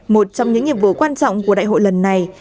một trong những nhiệm vụ quan trọng của đại hội lần này